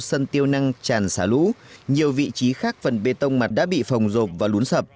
sân tiêu năng tràn xả lũ nhiều vị trí khác phần bê tông mặt đã bị phồng rộp và lún sập